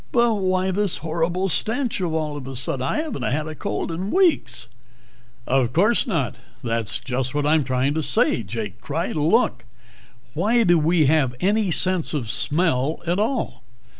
"But why this horrible stench all of a sudden? I haven't had a cold in weeks " "Of course not! That's just what I'm trying to say," Jake cried. "Look, why do we have any sense of smell at all?